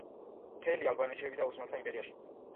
მთელი ალბანეთი შევიდა ოსმალთა იმპერიაში.